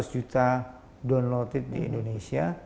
seratus juta downloaded di indonesia